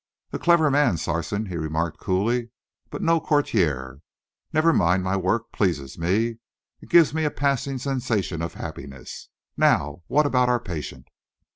"A clever man, Sarson," he remarked coolly, "but no courtier. Never mind, my work pleases me. It gives me a passing sensation of happiness. Now, what about our patient?"